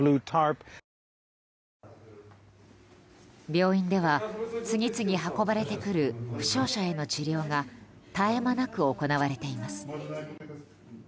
病院では、次々運ばれてくる負傷者への治療が絶え間なく行われています。